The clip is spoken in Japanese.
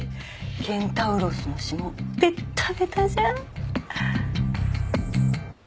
ケンタウロスの指紋ベッタベタじゃん。